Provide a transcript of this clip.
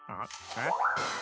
えっ。